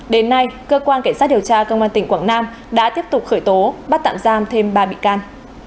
đến nay cơ quan cảnh sát điều tra công an tỉnh quảng nam đã tiếp tục khởi tố bắt tạm giam thêm ba bị can